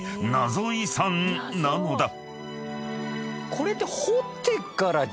これって。